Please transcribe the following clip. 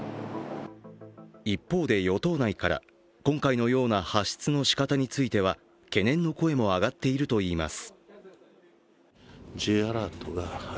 一方で与党内から、今回のような発出の仕方については懸念の声も上がっているといいます。